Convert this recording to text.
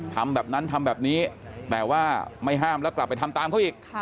ทำแบบนั้นทำแบบนี้แต่ว่าไม่ห้ามแล้วกลับไปทำตามเขาอีก